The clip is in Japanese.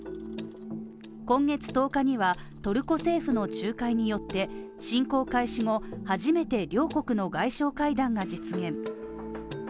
今月１０日には、トルコ政府の仲介によって侵攻開始後、初めて両国の外相会談が実現。